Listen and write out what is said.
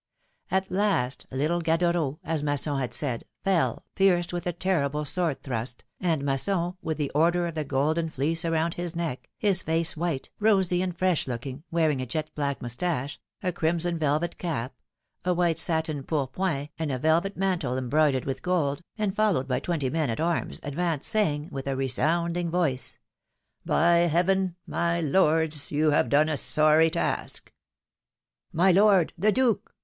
At last, little Gadoreau, as Masson had said, fell, pierced ivith a terrible sword thrust, and Masson, with the order of the Golden Fleece around his neck, his face white, rosy and fresh looking, wearing a jet black moustache, a crim son velvet cap, a white satin pourpoint and a velvet mantle embroidered with gold, and followed by twenty men at arms, advanced, saying, with a resounding voice: By heaven ! my lords, you have done a sorry task ! My lord, the duke!"